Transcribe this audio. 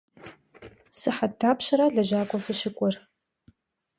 Sıhet dapşera lejak'ue vuşık'uer?